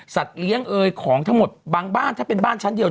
เลี้ยงเอ่ยของทั้งหมดบางบ้านถ้าเป็นบ้านชั้นเดียว